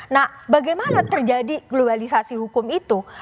nah bagaimana terjadi globalisasi hukum itu